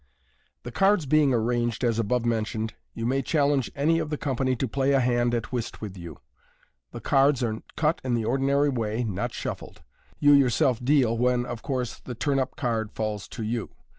— The cards being arranged as above mentioned, you may challenge any of the company to play a hand at whist with you. The cards are cut in the ordinary way (not shuffled). You yourself deal, when, of course, the turn up card falls to you.